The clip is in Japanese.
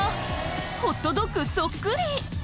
ホットドッグそっくり！